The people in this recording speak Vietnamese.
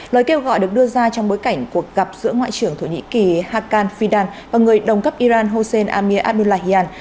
lời kêu gọi được đưa ra trong bối cảnh cuộc gặp giữa ngoại trưởng thổ nhĩ kỳ hakan fidan và người đồng cấp iran hossein amir abdullahian